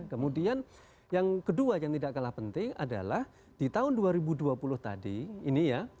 kemudian yang kedua yang tidak kalah penting adalah di tahun dua ribu dua puluh tadi ini ya